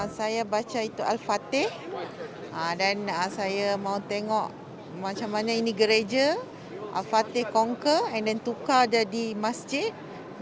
saya baca itu al fatih dan saya mau tengok macam mana ini gereja al fatih mengalahkan dan tukar jadi masjid